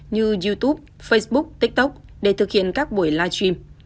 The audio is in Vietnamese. như youtube facebook tiktok để thực hiện các buổi live stream